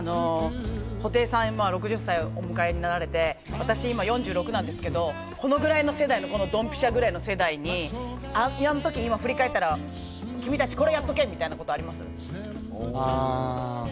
布袋さん、６０歳をお迎えになられて、私、今４６なんですけど、このぐらいの世代のドンピシャぐらいの世代に、あの時を振り返ったら、君たちこうやっとけみたいなことってあります？